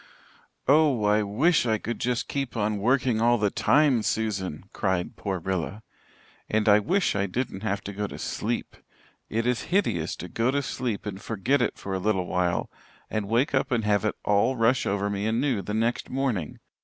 "Oh, I wish I could just keep on working all the time, Susan," cried poor Rilla. "And I wish I didn't have to go to sleep. It is hideous to go to sleep and forget it for a little while, and wake up and have it all rush over me anew the next morning.